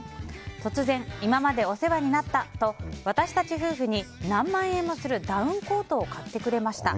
突然、今までお世話になったと私たち夫婦に何万円もするダウンコートを買ってくれました。